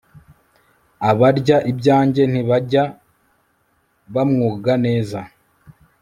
abarya ibyanjye ntibajya bamvuga neza